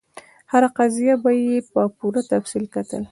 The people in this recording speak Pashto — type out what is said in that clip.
هره قضیه به یې په پوره تفصیل کتل.